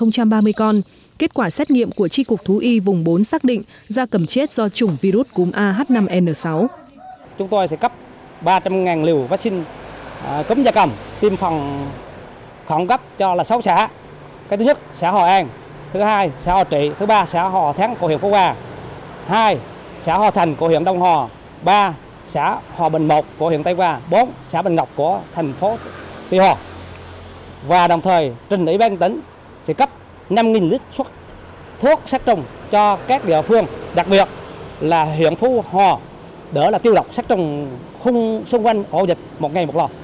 hai ba mươi con kết quả xét nghiệm của tri cục thú y vùng bốn xác định gia cầm chết do chủng virus cúm ah năm n sáu